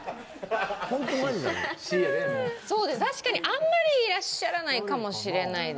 確かにあんまりいらっしゃらないかもしれないですね